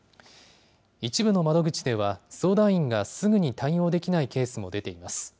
一部の窓口では、相談員がすぐに対応できないケースも出ています。